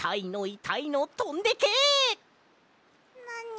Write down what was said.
なに？